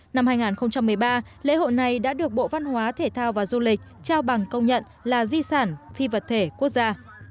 năm hai nghìn một mươi ba lễ hội này đã được bộ văn hóa thể thao và du lịch trao bằng công nhận là di sản phi vật thể quốc gia